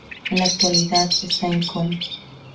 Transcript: En la actualidad está en coma.